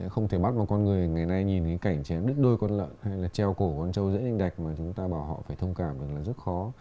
không thể bắt một con người ngày nay nhìn cái cảnh chém đứt đôi con lợn hay là treo cổ con trâu dễ ninh đạch mà chúng ta bảo họ phải thông cảm được là rất khó